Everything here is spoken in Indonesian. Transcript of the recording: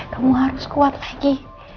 kamu harus kuat lagi